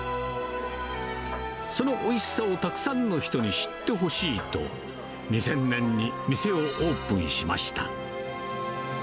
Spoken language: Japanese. そのおいしさをたくさんの人に知ってほしいと、２０００年に店をオープンしました。